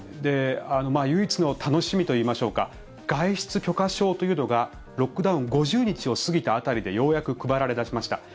唯一の楽しみといいましょうか外出許可証というのがロックダウン５０日を過ぎた辺りでようやく配られ出しました。